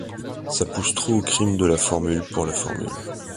Ça pousse trop au crime de la formule pour la formule.